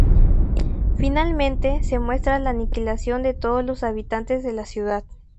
Finalmente, se muestra la aniquilación de todos los habitantes de la ciudad.